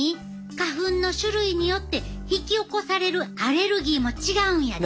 花粉の種類によって引き起こされるアレルギーも違うんやで。